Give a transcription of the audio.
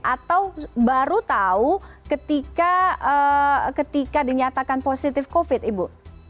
atau baru tahu ketika dinyatakan positif covid ibu